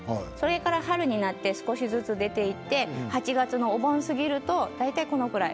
春になって少しずつ出て８月のお盆過ぎになると大体このくらい。